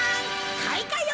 かいかよ